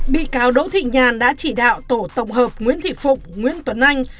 bị cáo đỗ thị nhàn đã chỉ đạo tổ tổng hợp nguyễn thị phụng nguyễn tuấn anh